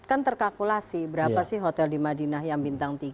kan terkalkulasi berapa sih hotel di madinah yang bintang tiga